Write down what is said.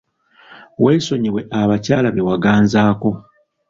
Weesonyiwe abakyala be waganzaako.